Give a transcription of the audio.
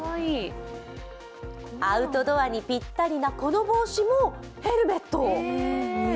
アウトドアにぴったりなこの帽子もヘルメット。